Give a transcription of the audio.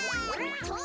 とう！